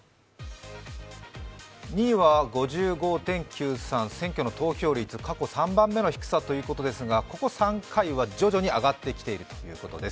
２位は５５．９３、選挙の投票率、過去３番目の低さということですが、徐々に上がってきているということです。